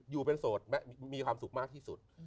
อยู่เป็นโสดมีความสุขมากที่สุด